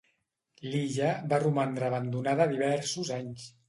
L'illa va romandre abandonada diversos anys.